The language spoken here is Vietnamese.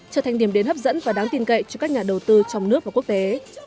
trở thành điểm đến hấp dẫn và đáng tin cậy cho các nhà đầu tư trong nước và quốc tế